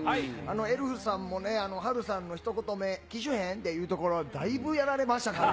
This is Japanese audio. エルフさんもね、はるさんのひと言目、きしゅへんっていうところ、だいぶやられましたから。